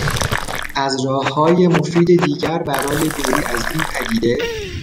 از راههای مفید دیگر برای دوری از این پدیده